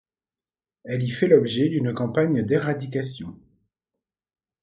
Elle y fait l'objet d'une campagne d'éradication.